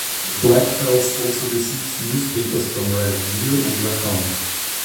Blackfalds also receives newspapers from Red Deer and Lacombe.